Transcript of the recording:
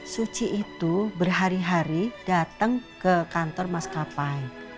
suci itu berhari hari datang ke kantor mas kapai